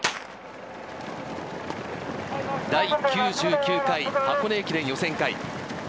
第９９回箱根駅伝予選会。